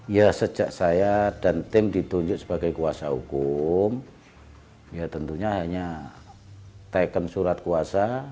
ya sejak saya dan tim ditunjuk sebagai kuasa hukum ya tentunya hanya teken surat kuasa